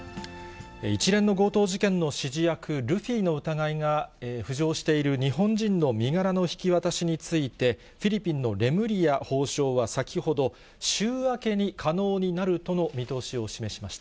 一連の強盗事件の指示役、ルフィの疑いが浮上している日本人の身柄の引き渡しについて、フィリピンのレムリヤ法相は先ほど、週明けに可能になるとの見通しを示しました。